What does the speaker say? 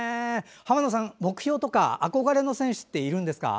濱野さん、目標とか憧れの選手っているんですか？